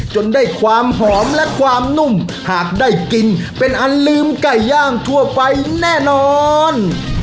จนได้ความหอมและความนุ่มหากได้กินเป็นอันลืมไก่ย่างทั่วไปแน่นอน